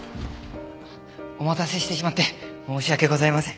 お待たせしてしまって申し訳ございません。